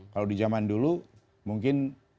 kalau di zaman dulu mungkin